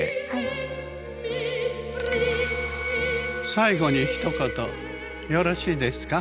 最後にひと言よろしいですか？